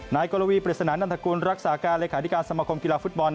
นายกลวีปริศนานัตรกลรักษาการรัฐการณ์สมคมกีฬาฟุตบอล